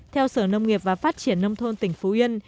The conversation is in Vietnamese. theo sở nông nghiệp và phát triển nông thôn tỉnh phú yên